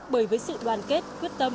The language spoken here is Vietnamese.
bởi với sự đoàn kết quyết tâm